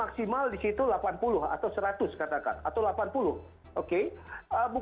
kondisi terhadap media kondisi karyakan dan kondisi kerajaan